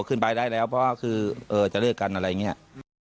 คือเออจะเลือกกันอะไรอย่างเงี้ย